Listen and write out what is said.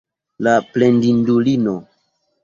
La plendindulino!